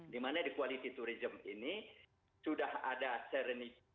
di mana di quality tourism ini sudah ada serenity